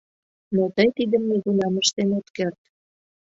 Но тый тидым нигунам ыштен от керт.